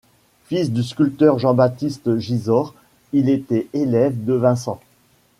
Fils du sculpteur Jean-Baptiste Gisors, il était élève de Vincent.